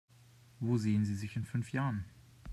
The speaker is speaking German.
Wo sehen Sie sich in fünf Jahren?